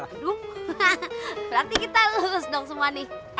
aduh berarti kita lulus dong semua nih